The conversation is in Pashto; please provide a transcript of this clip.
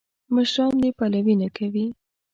مشران دې پلوي نه کوي.